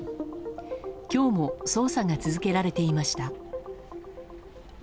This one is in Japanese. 今日も捜査が続けられていました。